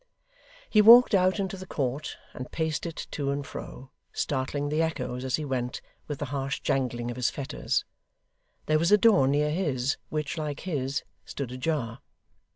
He walked out into the court and paced it to and fro; startling the echoes, as he went, with the harsh jangling of his fetters. There was a door near his, which, like his, stood ajar.